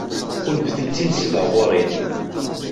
Kennemti d tinesbaɣurin.